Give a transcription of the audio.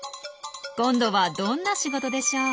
今度はどんな仕事でしょう。